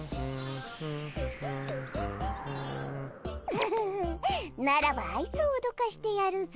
フフフッならばあいつをおどかしてやるぞ！